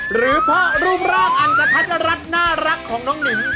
หรือเพราะรูปรอบอันกระทัดและรัดน่ารักของน้องหนิง